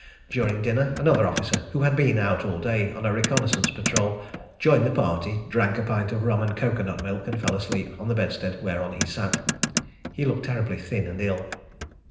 During dinner, another officer, who had been out all day on a reconnaissance patrol, joined the party, drank a pint of rum and coco nut milk and fell asleep on the bedstead whereon he sat. He looked terribly thin and ill.